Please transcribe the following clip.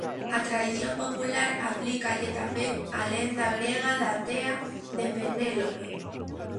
A tradición popular aplícalle tamén a lenda grega da tea de Penélope.